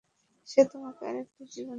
সে তোমাকে আরেকটি জীবন দিয়েছে।